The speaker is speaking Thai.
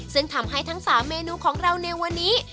ซึ่งทำให้ทั้ง๓เมนูของเราในวันนี้